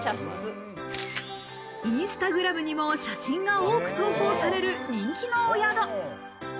インスタグラムにも写真が多く投稿される人気のお宿。